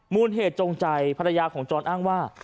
มูลเหตุจงใจภรรยาของจรอ้างว่า